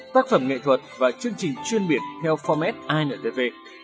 tác phẩm nghệ thuật và chương trình chuyên biệt theo format intv